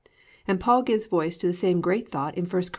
"+ And Paul gives voice to the same great thought in 1 Cor.